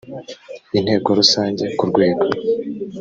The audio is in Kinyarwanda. inteko rusange ku rwego